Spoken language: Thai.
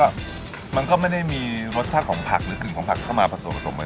แล้วก็มันก็ไม่ได้มีรสชาติของผักหรือกลิ่นของผักเข้ามาผสม๒๒๐๔เองใช่